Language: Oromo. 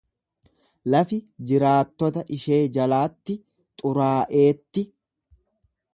Lafi jiraattota ishee jalaatti xuraa'eetti.